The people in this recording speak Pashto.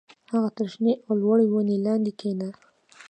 هغه تر شنې او لوړې ونې لاندې کېنه